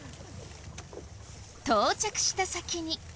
到着した先に。